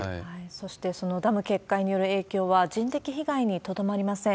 そして、そのダム決壊による影響は人的被害にとどまりません。